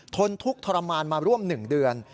นทุกข์ทรมานมาร่วม๑เดือน